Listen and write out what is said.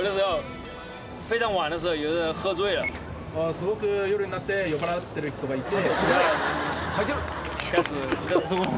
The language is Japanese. すごく夜になって酔っぱらってる人がいて。